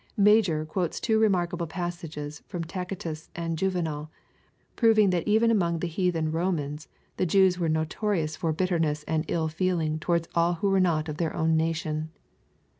Major quotes two remarkable passages from Tacitus and Juvenal, proving that even among the heathen Romans the Jews were notorious for bitterness and ill feeling towards all who were not of their own nation.